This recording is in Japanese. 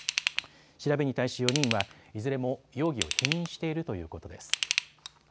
調べに対し４人はいずれも容疑を否認しているということです。